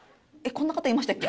こんな方いましたっけ？